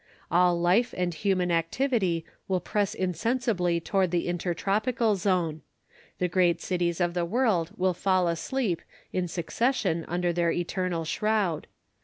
All life and human activity will press insensibly toward the inter tropical zone. The great cities of the world will fall asleep in succession under their eternal shroud.